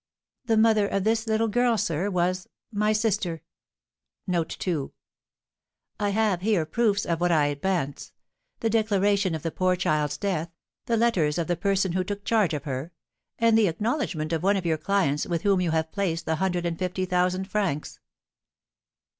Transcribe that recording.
"The mother of this little girl, sir, was my sister. I have here proofs of what I advance: the declaration of the poor child's death, the letters of the person who took charge of her, and the acknowledgment of one of your clients with whom you have placed the hundred and fifty thousand francs."